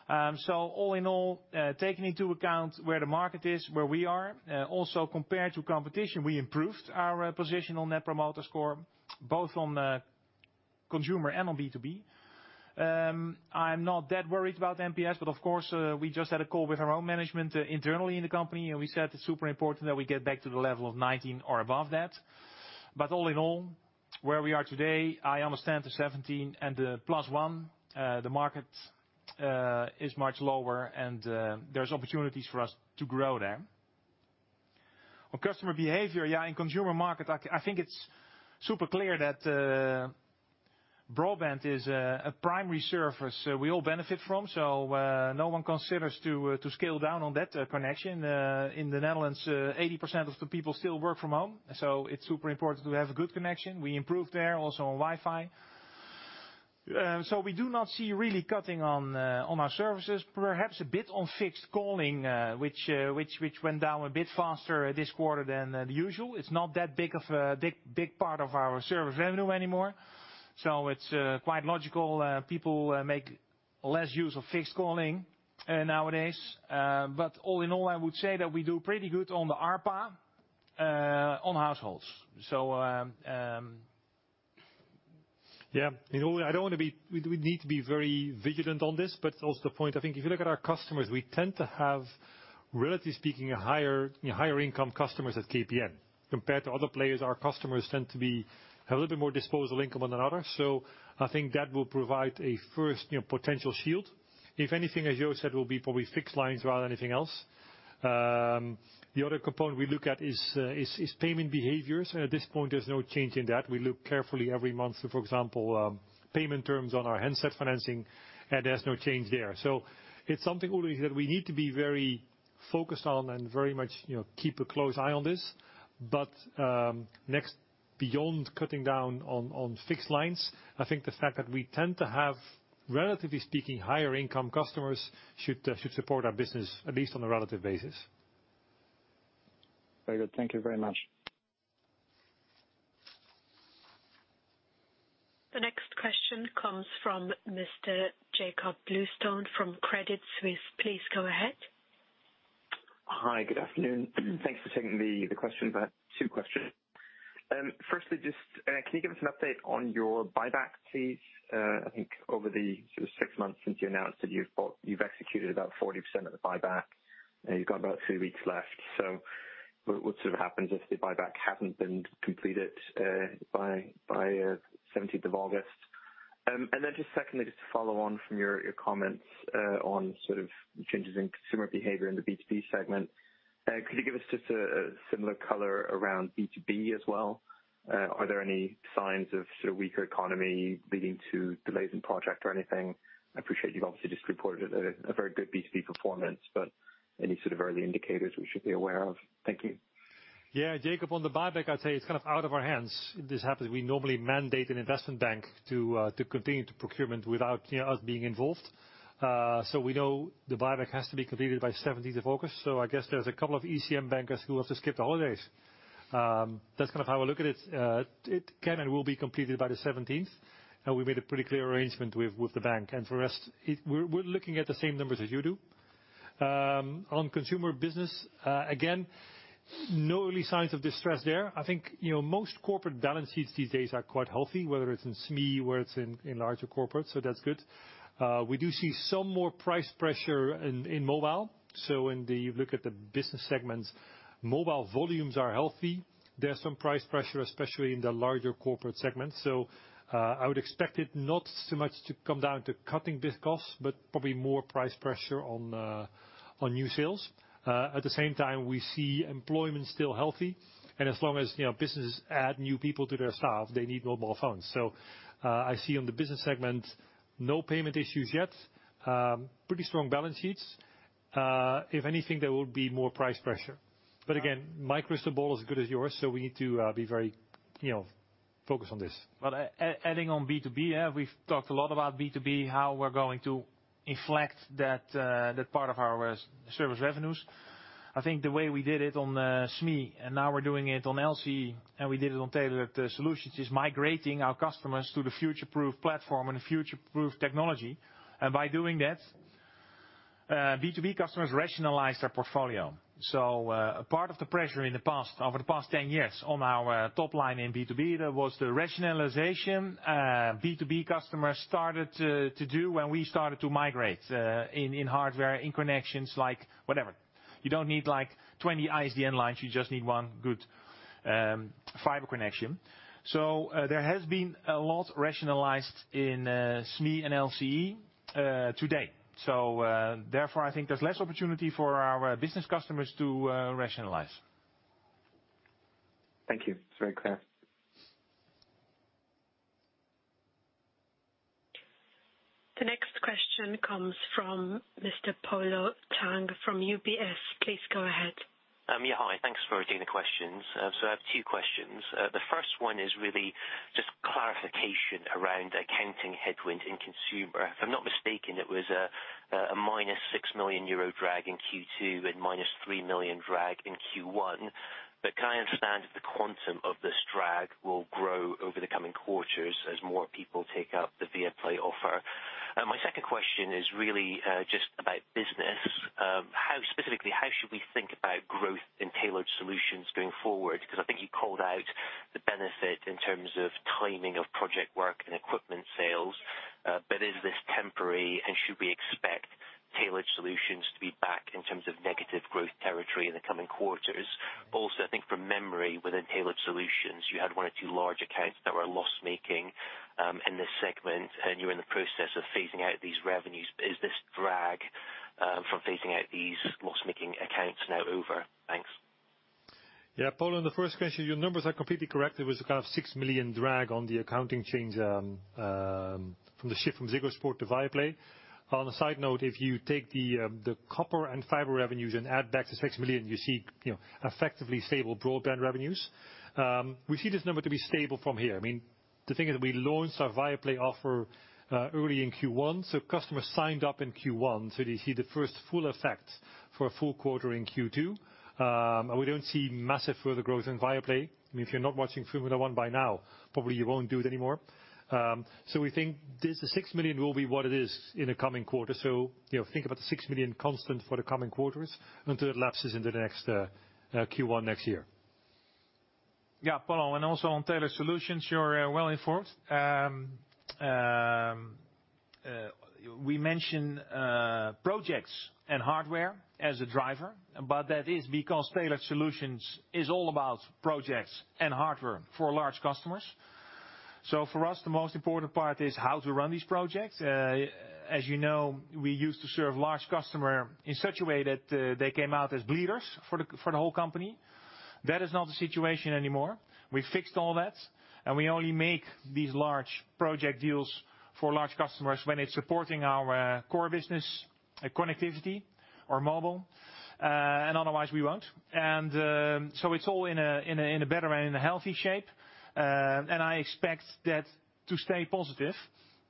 All in all, taking into account where the market is, where we are, also compared to competition, we improved our position on Net Promoter Score, both on consumer and on B2B. I'm not that worried about NPS, but of course, we just had a call with our own management internally in the company, and we said it's super important that we get back to the level of 19 or above that. All in all, where we are today, I understand the 17 and the +1. The market is much lower, and there's opportunities for us to grow there. On customer behavior, yeah, in consumer market, I think it's super clear that broadband is a primary service we all benefit from. No one considers to scale down on that connection. In the Netherlands, 80% of the people still work from home, so it's super important to have a good connection. We improved there also on Wi-Fi. We do not see really cutting on our services. Perhaps a bit on fixed calling, which went down a bit faster this quarter than usual. It's not that big of a part of our service revenue anymore. It's quite logical, people make less use of fixed calling nowadays. But all in all, I would say that we do pretty good on the ARPU on households.
Yeah. You know, we need to be very vigilant on this, but also the point. I think if you look at our customers, we tend to have, relatively speaking, a higher, you know, higher income customers at KPN. Compared to other players, our customers tend to be a little bit more disposable income than others. I think that will provide a first, you know, potential shield. If anything, as Joost said, will be probably fixed lines rather than anything else. The other component we look at is payment behaviors. At this point, there's no change in that. We look carefully every month, for example, payment terms on our handset financing, and there's no change there. It's something, Ulrich, that we need to be very focused on and very much, you know, keep a close eye on this. Beyond cutting down on fixed lines, I think the fact that we tend to have, relatively speaking, higher income customers should support our business, at least on a relative basis.
Very good. Thank you very much.
The next question comes from Mr. Joshua Mills from Exane BNP Paribas. Please go ahead.
Hi. Good afternoon. Thanks for taking the question. About two questions. Firstly, just, can you give us an update on your buyback, please? I think over the six months since you announced it, you've executed about 40% of the buyback, and you've got about two weeks left. What sort of happens if the buyback hasn't been completed by seventeenth of August? And then just secondly, just to follow on from your comments on sort of changes in consumer behavior in the B2B segment. Could you give us just a similar color around B2B as well? Are there any signs of sort of weaker economy leading to delays in project or anything? I appreciate you've obviously just reported a very good B2B performance, but any sort of early indicators we should be aware of? Thank you.
Yeah, Joshua Mills, on the buyback, I'd say it's kind of out of our hands. This happens, we normally mandate an investment bank to continue to procurement without, you know, us being involved. We know the buyback has to be completed by 17th of August. I guess there's a couple of ECM bankers who will have to skip the holidays. That's kind of how I look at it. It can and will be completed by the 17th. We made a pretty clear arrangement with the bank. We're looking at the same numbers as you do. On consumer business, again, no early signs of distress there. I think, you know, most corporate balance sheets these days are quite healthy, whether it's in SME, whether it's in larger corporate, so that's good. We do see some more price pressure in mobile. When they look at the business segments, mobile volumes are healthy. There's some price pressure, especially in the larger corporate segments. I would expect it not so much to come down to cutting fixed costs, but probably more price pressure on new sales. At the same time, we see employment still healthy, and as long as you know, businesses add new people to their staff, they need mobile phones. I see on the business segment, no payment issues yet. Pretty strong balance sheets. If anything, there will be more price pressure. Again, my crystal ball is as good as yours, so we need to be very you know, focused on this.
Adding on B2B, yeah, we've talked a lot about B2B, how we're going to inflect that part of our service revenues. I think the way we did it on SME, and now we're doing it on LCE, and we did it on Tailored Solutions, is migrating our customers to the future-proof platform and future-proof technology. By doing that, B2B customers rationalize their portfolio. A part of the pressure in the past, over the past 10 years on our top line in B2B, that was the rationalization B2B customers started to do when we started to migrate in hardware, in connections, like whatever. You don't need like 20 ISDN lines, you just need one good fiber connection. There has been a lot rationalized in SME and LCE today. Therefore, I think there's less opportunity for our business customers to rationalize.
Thank you. It's very clear.
The next question comes from Mr. Polo Tang from UBS. Please go ahead.
Yeah, hi. Thanks for taking the questions. I have two questions. The first one is really just clarification around accounting headwind in consumer. If I'm not mistaken, it was a -6 million euro drag in Q2 and -3 million drag in Q1. Can I understand if the quantum of this drag will grow over the coming quarters as more people take up the Viaplay offer? My second question is really just about business. How specifically should we think about growth in Tailored Solutions going forward? 'Cause I think you called out the benefit in terms of timing of project work and equipment sales. Is this temporary, and should we expect Tailored Solutions to be back in terms of negative growth territory in the coming quarters? Also, I think from memory within Tailored Solutions, you had one or two large accounts that were loss-making, in this segment, and you're in the process of phasing out these revenues. But is this drag from phasing out these loss-making accounts now over? Thanks.
Yeah. Polo, on the first question, your numbers are completely correct. It was a kind of 6 million drag on the accounting change from the shift from Ziggo Sport to Viaplay. On a side note, if you take the copper and fiber revenues and add back the 6 million, you know, effectively stable broadband revenues. We see this number to be stable from here. I mean, the thing is we launched our Viaplay offer early in Q1, so customers signed up in Q1, so they see the first full effect for a full quarter in Q2. We don't see massive further growth in Viaplay. I mean, if you're not watching Formula 1 by now, probably you won't do it anymore. We think this, the 6 million will be what it is in the coming quarter. You know, think about the 6 million constant for the coming quarters until it lapses into the next Q1 next year.
Yeah. Polo, and also on Tailored Solutions, you're well informed. We mentioned projects and hardware as a driver, but that is because Tailored Solutions is all about projects and hardware for large customers. For us, the most important part is how to run these projects. As you know, we used to serve large customer in such a way that they came out as bleeders for the whole company. That is not the situation anymore. We fixed all that, and we only make these large project deals for large customers when it's supporting our core business, connectivity or mobile. Otherwise we won't. It's all in a better way, in a healthy shape. I expect that to stay positive.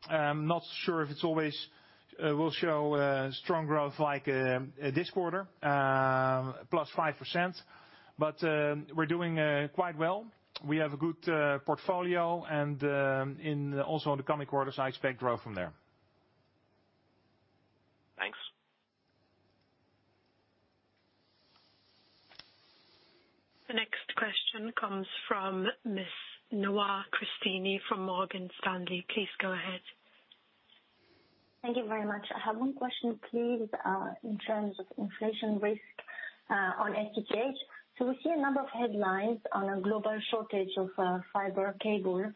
I'm not sure if it's always will show strong growth like this quarter +5%, but we're doing quite well. We have a good portfolio and also in the coming quarters, I expect growth from there.
Thanks.
The next question comes from Miss Nawar Cristini from Morgan Stanley. Please go ahead.
Thank you very much. I have one question, please, in terms of inflation risk on SPH. We see a number of headlines on a global shortage of fiber cable,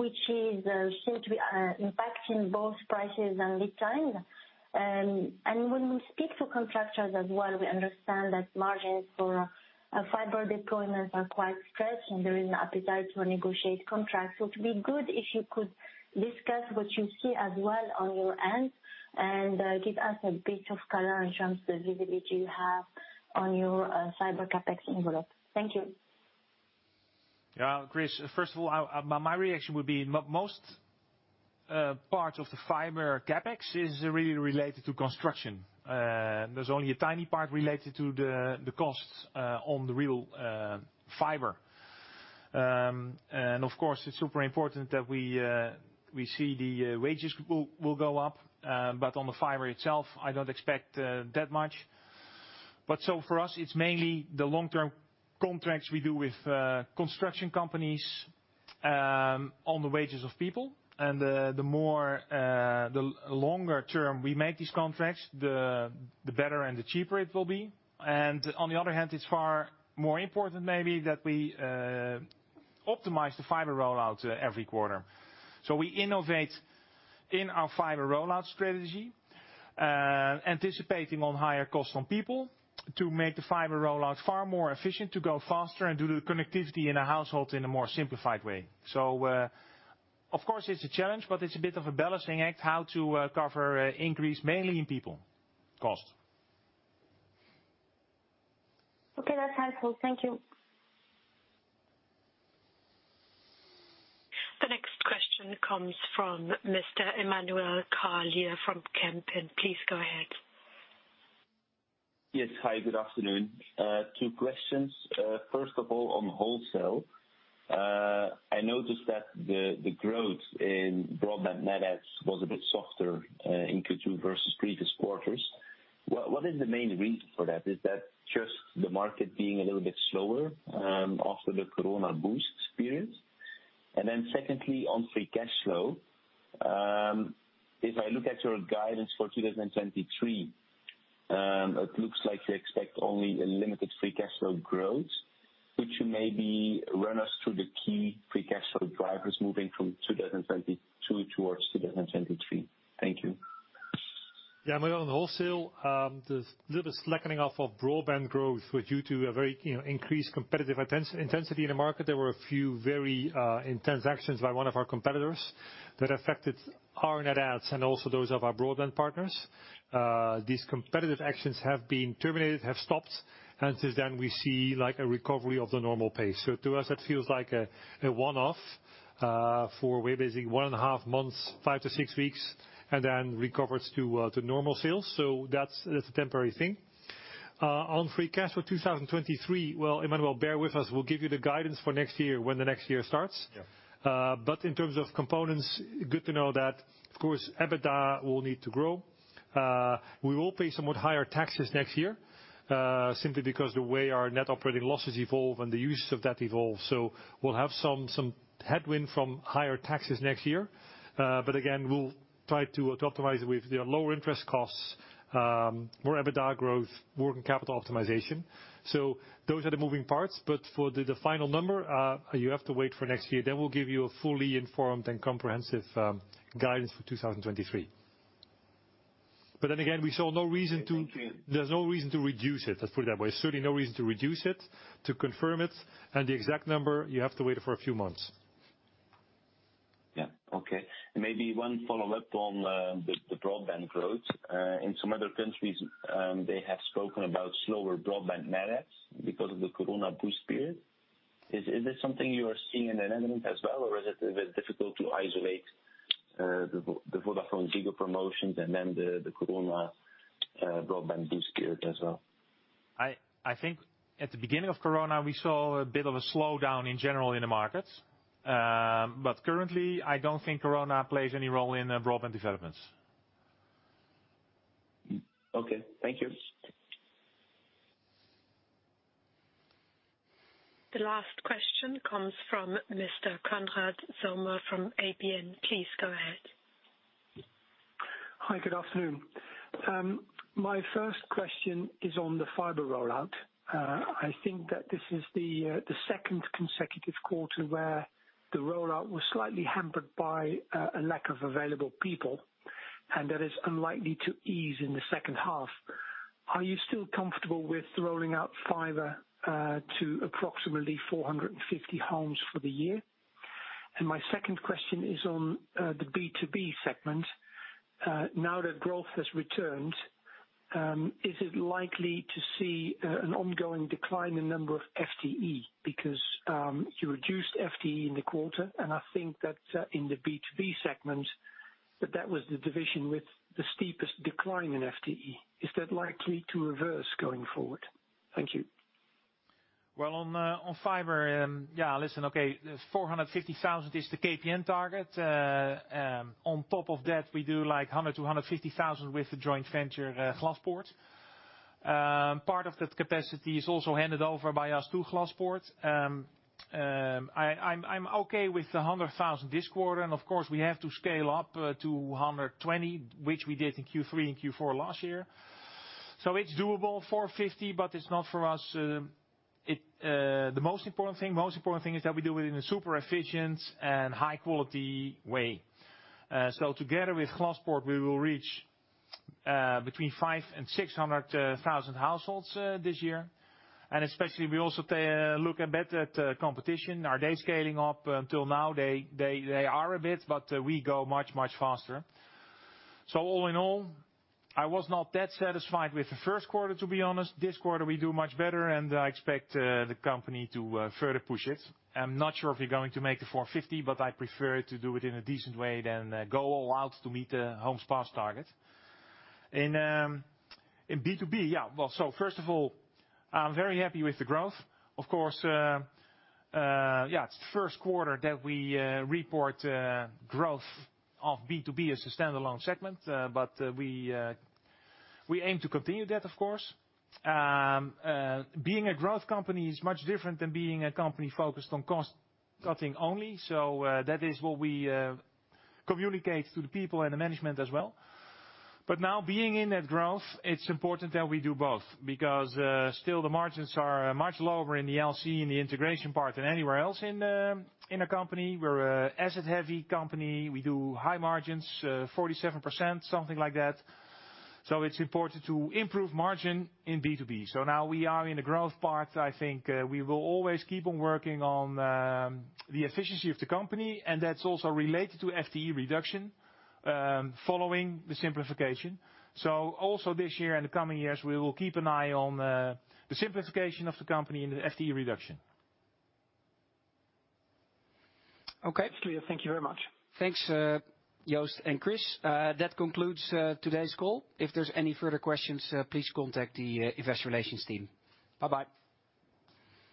which is said to be impacting both prices and lead time. When we speak to contractors as well, we understand that margins for fiber deployments are quite stretched, and there is an appetite to negotiate contracts. It'd be good if you could discuss what you see as well on your end and give us a bit of color in terms of the visibility you have on your fiber CapEx envelope. Thank you.
Yeah. Chris, first of all, my reaction would be most part of the fiber CapEx is really related to construction. There's only a tiny part related to the costs on the real fiber. Of course, it's super important that we see the wages will go up. On the fiber itself, I don't expect that much. For us, it's mainly the long-term contracts we do with construction companies on the wages of people. The longer term we make these contracts, the better and the cheaper it will be. On the other hand, it's far more important maybe that we optimize the fiber rollout every quarter. We innovate in our fiber rollout strategy, anticipating on higher costs on people to make the fiber rollout far more efficient, to go faster and do the connectivity in a household in a more simplified way. Of course it's a challenge, but it's a bit of a balancing act how to cover increase mainly in people cost.
Okay. That's helpful. Thank you.
The next question comes from Mr. Emmanuel Carlier from Kempen. Please go ahead.
Yes. Hi, good afternoon. Two questions. First of all, on wholesale, I noticed that the growth in broadband net adds was a bit softer in Q2 versus previous quarters. What is the main reason for that? Is that just the market being a little bit slower after the COVID boost period? Secondly, on free cash flow, if I look at your guidance for 2023, it looks like you expect only a limited free cash flow growth. Could you maybe run us through the key free cash flow drivers moving from 2022 towards 2023? Thank you.
Yeah. Well, on wholesale, the little bit slackening off of broadband growth was due to a very, you know, increased competitive intensity in the market. There were a few very intense actions by one of our competitors that affected our net adds and also those of our broadband partners. These competitive actions have been terminated, have stopped, and since then we see like a recovery of the normal pace. To us, it feels like a one-off for 1.5 months, five to six weeks, and then recovers to normal sales. That's a temporary thing. On free cash flow 2023, well, Emmanuel, bear with us. We'll give you the guidance for next year when the next year starts.
Yeah.
In terms of components, good to know that, of course, EBITDA will need to grow. We will pay somewhat higher taxes next year, simply because the way our net operating losses evolve and the use of that evolve. We'll have some headwind from higher taxes next year. Again, we'll try to optimize with the lower interest costs, more EBITDA growth, working capital optimization. Those are the moving parts. For the final number, you have to wait for next year. We'll give you a fully informed and comprehensive guidance for 2023. We saw no reason to.
Okay. Thank you.
There's no reason to reduce it. Let's put it that way. Certainly no reason to reduce it. To confirm it and the exact number, you have to wait for a few months.
Yeah. Okay. Maybe one follow-up on the broadband growth. In some other countries, they have spoken about slower broadband net adds because of the COVID boost period. Is this something you are seeing in the Netherlands as well, or is it a bit difficult to isolate the VodafoneZiggo promotions and then the COVID broadband boost period as well?
I think at the beginning of COVID, we saw a bit of a slowdown in general in the markets. Currently, I don't think COVID plays any role in the broadband developments.
Okay. Thank you.
The last question comes from Mr. Konrad Zomer from ABN AMRO. Please go ahead.
Hi. Good afternoon. My first question is on the fiber rollout. I think that this is the second consecutive quarter where the rollout was slightly hampered by a lack of available people. That is unlikely to ease in the second half. Are you still comfortable with rolling out fiber to approximately 450 homes for the year? My second question is on the B2B segment. Now that growth has returned, is it likely to see an ongoing decline in number of FTE? Because you reduced FTE in the quarter, and I think that in the B2B segment that was the division with the steepest decline in FTE. Is that likely to reverse going forward? Thank you.
Well, on fiber. Listen, okay, 450,000 is the KPN target. On top of that, we do like 100,000-150,000 with the joint venture, Glaspoort. Part of that capacity is also handed over by us to Glaspoort. I'm okay with 100,000 this quarter and of course we have to scale up to 220,000, which we did in Q3 and Q4 last year. It's doable, 450,000, but it's not for us, the most important thing is that we do it in a super efficient and high quality way. Together with Glaspoort, we will reach between 500,000-600,000 households this year. Especially we also look a bit at competition. Are they scaling up? Until now they are a bit, but we go much faster. All in all, I was not that satisfied with the Q1, to be honest. This quarter we do much better and I expect the company to further push it. I'm not sure if we're going to make it 450, but I prefer to do it in a decent way than go all out to meet the homes passed target. In B2B, yeah. Well, first of all, I'm very happy with the growth. Of course, yeah, it's the first quarter that we report growth of B2B as a standalone segment. But we aim to continue that, of course. Being a growth company is much different than being a company focused on cost-cutting only. That is what we communicate to the people and the management as well. Now being in that growth, it's important that we do both because still the margins are much lower in the LCE and the integration part than anywhere else in the company. We're a asset-heavy company. We do high margins, 47%, something like that. It's important to improve margin in B2B. Now we are in a growth part. I think we will always keep on working on the efficiency of the company, and that's also related to FTE reduction following the simplification. Also this year and the coming years, we will keep an eye on the simplification of the company and the FTE reduction.
Okay. It's clear. Thank you very much.
Thanks, Joost and Chris. That concludes today's call. If there's any further questions, please contact the investor relations team. Bye-bye.